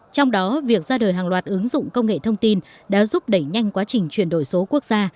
trong đó việc ra đời hàng loạt ứng dụng công nghệ thông tin đã giúp đẩy nhanh quá trình chuyển đổi số quốc gia